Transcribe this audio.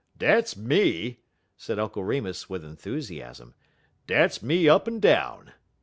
"Dat's me!" said Uncle Remus with enthusiasm; "dat's me up en down.